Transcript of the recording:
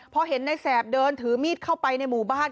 พอเห็นในแสบเดินถือมีดเข้าไปในหมู่บ้าน